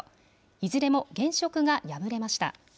いずれも現職が敗れました。